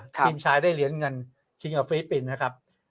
ทีมชายได้เหรียญเงินชิงกับฟิลิปปินส์นะครับ